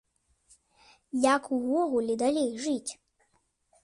Як увогуле далей жыць?